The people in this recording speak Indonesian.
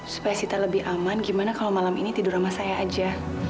supaya kita lebih aman gimana kalau malam ini tidur sama saya aja